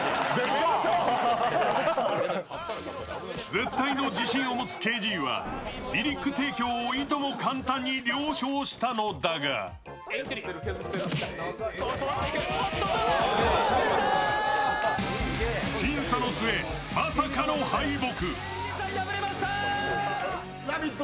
絶対の自信を持つＫＺはリリック提供をいとも簡単に了承したのだが僅差の末、まさかの敗北。